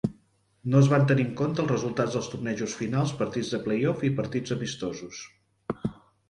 No es van tenir en compte els resultats dels tornejos finals, partits de play-off i partits amistosos.